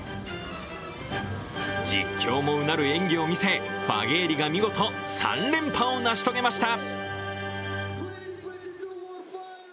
実況もうなる演技を見せ、ファゲーリが見事、３連覇を成し遂げました！